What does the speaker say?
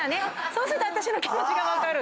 そうすると私の気持ちが分かる。